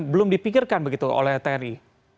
belum dipikirkan begitu oleh tni